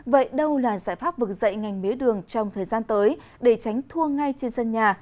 vậy đâu là giải pháp vực dậy ngành mía đường trong thời gian tới để tránh thua ngay trên sân nhà